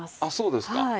あっそうですか？